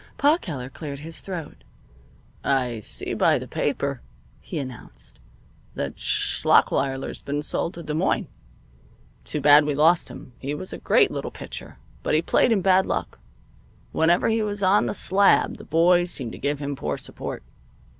Pa Keller cleared his throat. "I see by the paper," he announced, "that Schlachweiler's been sold to Des Moines. Too bad we lost him. He was a great little pitcher, but he played in bad luck. Whenever he was on the slab the boys seemed to give him poor support."